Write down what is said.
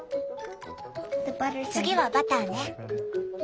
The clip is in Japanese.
次はバターね。